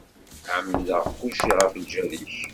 Ԑemmdeɣ kulci ɣef lǧal-ik.